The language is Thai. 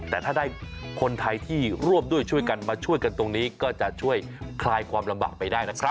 แต่ถ้าได้คนไทยที่ร่วมด้วยช่วยกันมาช่วยกันตรงนี้ก็จะช่วยคลายความลำบากไปได้นะครับ